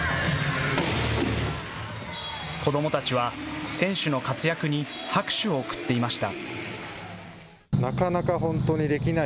子どもたちは選手の活躍に拍手を送っていました。